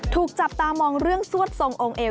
ถูกจับตามองเรื่องสวดทรงองค์เอว